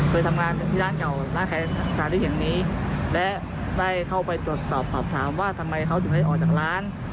เคยทำงานอยู่ที่ร้านเก่าร้านขายที่แห่งนี้และได้เข้าไปตรวจสอบสอบถามว่าทำไมเขาถึงได้ออกจากร้าน